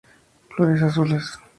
Flores azules.